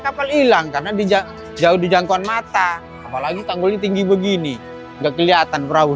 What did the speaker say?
kapal hilang karena jauh dijangkauan mata apalagi tanggulnya tinggi begini nggak kelihatan perahu